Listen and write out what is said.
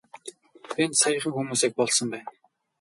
Энд саяхан хүмүүсийг булсан байна.